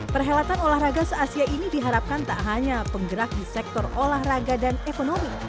perhelatan olahraga se asia ini diharapkan tak hanya penggerak di sektor olahraga dan ekonomi